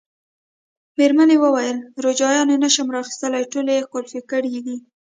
مېرمنې وویل: روجایانې نه شم را اخیستلای، ټولې یې قلف کړي دي.